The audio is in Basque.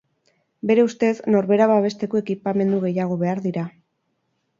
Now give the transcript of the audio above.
Bere ustez, norbera babesteko ekipamendu gehiago behar dira.